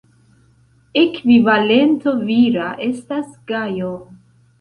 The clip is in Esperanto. Ekvivalento vira estas Gajo.